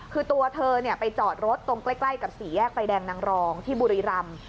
คือตัวเธอไปจอดรถตรงใกล้กับสี่แยกไฟแดงนางรองที่บุรีรำ